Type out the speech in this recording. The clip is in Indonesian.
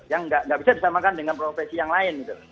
yang tidak bisa disamakan dengan profesi yang lain